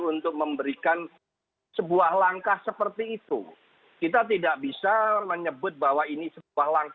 untuk kami selalu diberikan